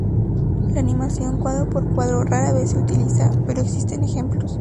La animación cuadro por cuadro rara vez se utiliza, pero existen ejemplos.